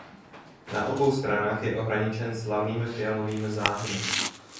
Na obou stranách je ohraničen slavnými fialovými záhony.